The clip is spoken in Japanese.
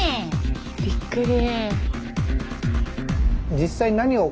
びっくり！